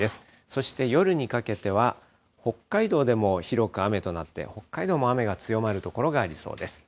そして、夜にかけては北海道でも広く雨となって、北海道も雨が強まる所がありそうです。